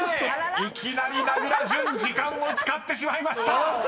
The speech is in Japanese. ［いきなり名倉潤時間を使ってしまいました］